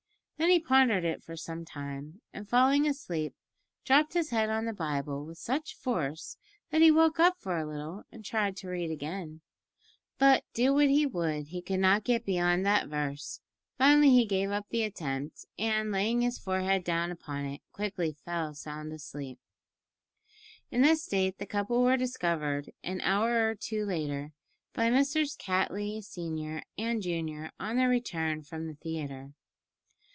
Then he pondered it for some time, and, falling asleep, dropt his head on the Bible with such force that he woke up for a little and tried to read again, but do what he would he could not get beyond that verse; finally he gave up the attempt, and, laying his forehead down upon it, quickly fell sound asleep. In this state the couple were discovered an hour or two later by Messrs. Cattley senior and junior on their return from the theatre.